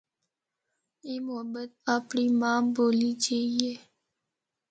اے محبت اپڑی ماں بولی جئی اے۔